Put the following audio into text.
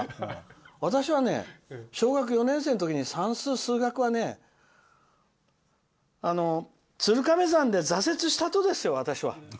私はね、小学４年生の時に算数、数学はね、つるかめ算で挫折したとですよ、私は。